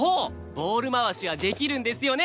ボール回しはできるんですよね。